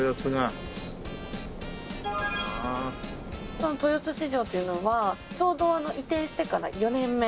この豊洲市場というのはちょうど移転してから４年目。